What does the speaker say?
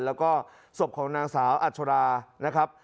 แล้วก็ศพของนางสาวอัชรานะครับ